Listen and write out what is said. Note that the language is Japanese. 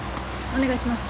お願いします。